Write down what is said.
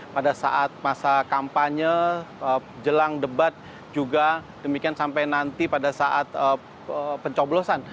pada saat masa kampanye jelang debat juga demikian sampai nanti pada saat pencoblosan